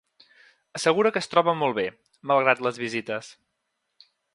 Assegura que es troba molt bé, malgrat les visites.